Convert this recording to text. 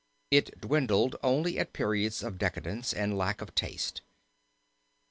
It dwindled only at periods of decadence and lack of taste.